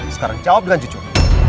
sekarang jawab dengan jujur